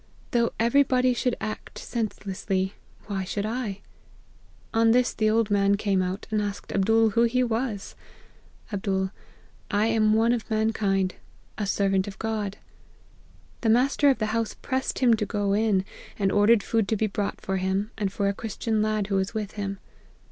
Though every body should act sense lessly, why should 1 ?'" On this the old man came out, and asked Ab dool who he was ?" Jlbd* 4 1 am one of mankind, a servant of God,' " The master of the house pressed him to go in ; and ordered food to be brought for him, and for a Christian lad who was with him.